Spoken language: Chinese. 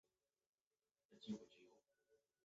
延边在历史上是中国东北少数民族的聚居地之一。